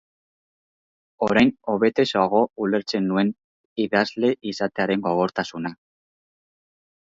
Orain hobetoxeago ulertzen nuen idazle izatearen gogortasuna.